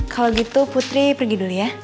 kalau gitu putri pergi dulu ya